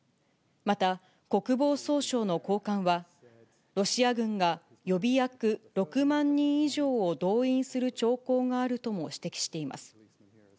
また、国防総省の高官は、ロシア軍が予備役６万人以上を動員する兆候があるとも指摘しています。